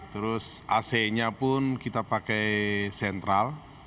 terus ac nya pun kita pakai sentral